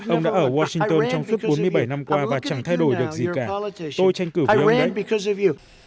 ông đã ở washington trong suốt bốn mươi bảy năm qua và chẳng thay đổi được gì cả tôi tranh cử vì ông đấy